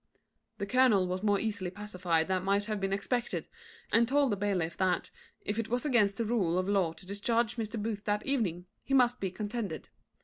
The colonel was more easily pacified than might have been expected, and told the bailiff that, if it was against the rules of law to discharge Mr. Booth that evening, he must be contented.